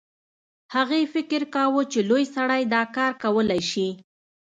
هغې فکر کاوه چې لوی سړی دا کار کولی شي